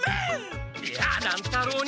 いや乱太郎に。